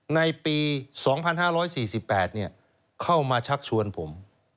ในปี๒๕๔๘เข้ามาชักชวนผม